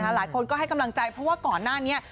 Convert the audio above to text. หลายคนก็ให้กำลังใจเพราะว่าก่อนหน้านี้